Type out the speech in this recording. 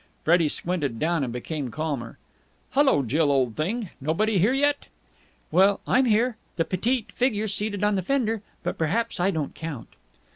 Freddie squinted down, and became calmer. "Hullo, Jill, old thing. Nobody here yet?" "Well, I'm here the petite figure seated on the fender. But perhaps I don't count."